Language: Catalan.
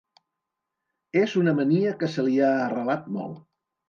És una mania que se li ha arrelat molt.